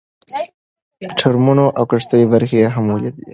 د ټرمونو او کښتیو برخې یې هم ولیدې.